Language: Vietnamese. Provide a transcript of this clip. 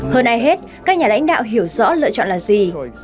hơn ai hết các nhà lãnh đạo hiểu rõ lựa chọn là gì